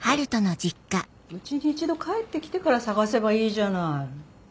家に一度帰って来てから探せばいいじゃない。